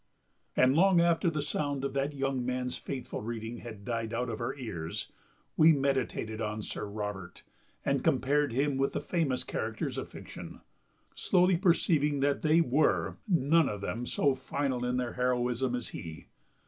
And, long after the sound of that young man's faithful reading had died out of our ears, we meditated on Sir Robert, and compared him with the famous characters of fiction, slowly perceiving that they were none of them so final in their heroism as he.